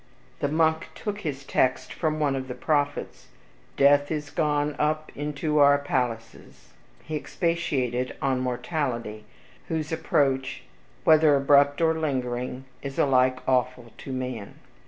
The monk took his text from one of the prophets, "Death is gone up into our palaces." He expatiated on mortality, whose approach, whether abrupt or lingering, is alike awful to man.